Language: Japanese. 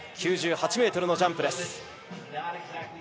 ９８ｍのジャンプ。